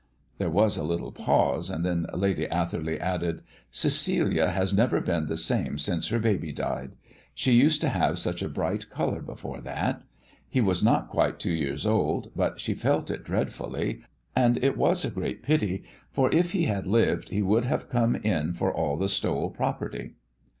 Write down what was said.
There was a little pause, and then Lady Atherley added "Cecilia has never been the same since her baby died. She used to have such a bright colour before that. He was not quite two years old, but she felt it dreadfully; and it was a great pity, for if he had lived he would have come in for all the Stowell property."